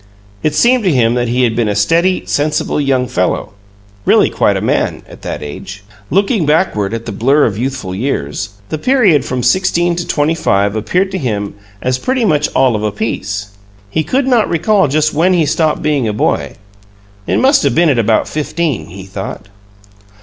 It seemed to him that he had been a steady, sensible young fellow really quite a man at that age. Looking backward at the blur of youthful years, the period from sixteen to twenty five appeared to him as "pretty much all of a piece." He could not recall just when he stopped being a boy; it must have been at about fifteen, he thought.